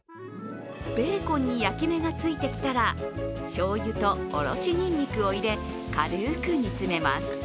ベーコンに焼き目がついてきたらしょうゆと、おろしニンニクを入れ軽く煮詰めます。